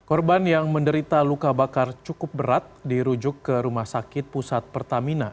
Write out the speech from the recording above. korban yang menderita luka bakar cukup berat dirujuk ke rumah sakit pusat pertamina